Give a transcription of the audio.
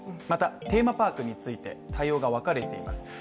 またテーマパークについて対応が分かれています。